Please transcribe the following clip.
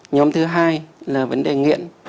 nhóm thứ hai là vấn đề nghiện